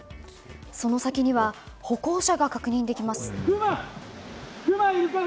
その先には歩行者が確認できます。